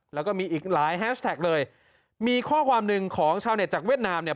แล้วก็มีอีกหลายแฮชแท็กเลยมีข้อความหนึ่งของชาวเน็ตจากเวียดนามเนี่ย